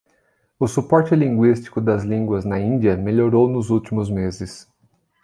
O suporte linguístico das línguas na Índia melhorou nos últimos meses.